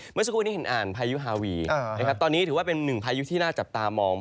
เมื่อสักครู่นี้เห็นอ่านพายุฮาวีตอนนี้ถือว่าเป็นหนึ่งพายุที่น่าจับตามอง